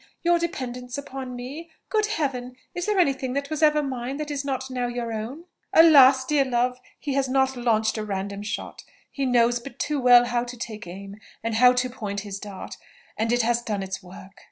Your dependence upon me? Good Heaven! is there any thing that was ever mine that is not now your own?" "Alas! dear love, he has not launched a random shot, he knows but too well how to take aim, and how to point his dart, and it has done its work."